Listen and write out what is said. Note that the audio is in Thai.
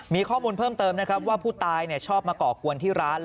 มีข้อมูลเพิ่มเติมนะครับว่าผู้ตายชอบมาก่อกวนที่ร้าน